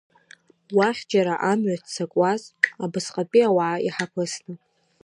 Уахь џьара амҩа ццакуаз, абысҟатәи уаа иҳаԥысны.